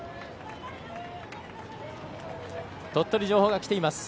鳥取城北がきています。